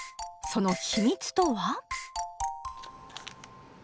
その秘密とは？